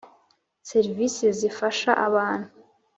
Serivise zifasha abantu